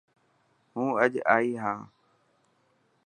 هون اڄ ائي هان.